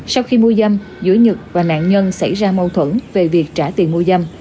sau khi mua dâm giữa nhật và nạn nhân xảy ra mâu thuẫn về việc trả tiền mua dâm